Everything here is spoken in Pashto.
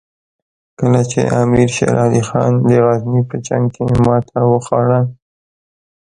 کله چې امیر شېر علي خان د غزني په جنګ کې ماته وخوړه.